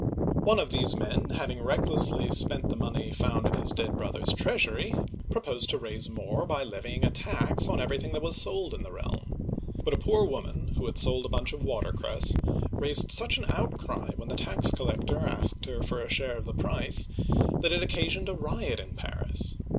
One of these men, having recklessly spent the money found in his dead brother's treasury, proposed to raise more by levying a tax on everything that was sold in the realm. But a poor woman, who had sold a bunch of water cress, raised such an outcry when the tax collector asked her for a share of the price, that it occasioned a riot in Paris.